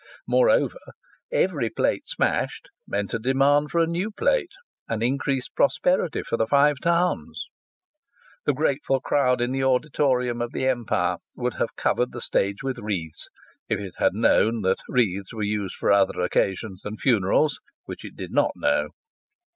Moreover, every plate smashed means a demand for a new plate and increased prosperity for the Five Towns. The grateful crowd in the auditorium of the Empire would have covered the stage with wreaths, if it had known that wreaths were used for other occasions than funerals; which it did not know.